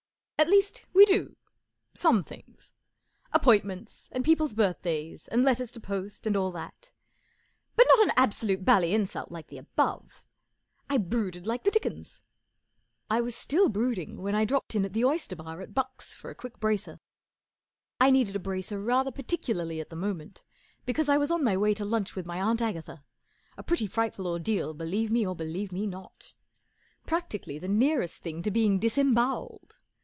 At least, we do—some things—appointments, and people's birthdays, and letters to post. Copyright, 1937, by and all that—but not an absolute bally insult like the above, I brooded like the dickens. 1 was still brooding when I dropped in at the oyster bar at Buck's for a quick bracer. I needed a bracer rather particularly at the moment, because I was on my way to lunch with my Aunt Agatha, A pretty frightful ordeal, believe me or lietieve me not. Practically the nearest thing to being disembowelled.